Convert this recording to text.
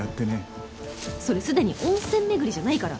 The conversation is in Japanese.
それすでに温泉巡りじゃないから。